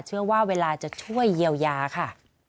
เชื่อว่าเวลาจะช่วยเยียวยาค่ะ